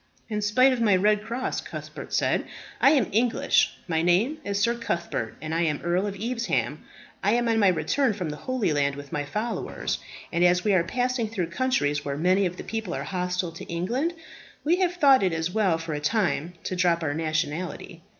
"In spite of my red cross," Cuthbert said, "I am English. My name is Sir Cuthbert, and I am Earl of Evesham. I am on my return from the Holy Land with my followers; and as we are passing through countries where many of the people are hostile to England, we have thought it as well for a time to drop our nationality.